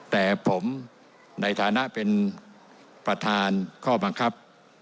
แต่ผมในฐานะเป็นประธานข้อบังคับ